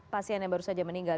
pasien yang baru saja meninggal